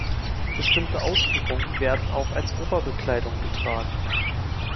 Bestimmte Ausführungen werden auch als Oberbekleidung getragen.